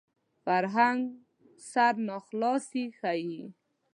فرهنګ سرناخلاصي ښيي